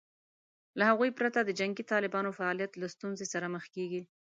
له هغوی پرته د جنګي طالبانو فعالیت له ستونزې سره مخ کېږي